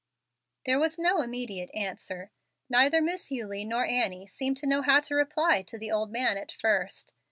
There was no immediate answer. Neither Miss Eulie nor Annie seemed to know how to reply to the old man at first.